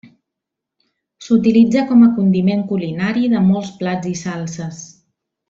S'utilitza com a condiment culinari de molts plats i salses.